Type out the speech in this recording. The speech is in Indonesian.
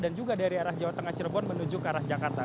dan juga dari arah jawa tengah cirebon menuju ke arah jakarta